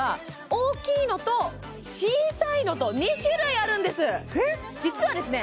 大きいのと小さいのと２種類あるんです実はですね